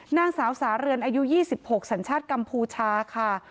นางสาวสาเรือนอายุ๒๖สัญชาติกัมพูชาค่ะ